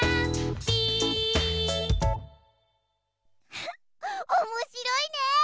フフッおもしろいね！